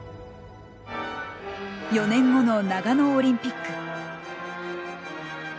４年後の長野オリンピック。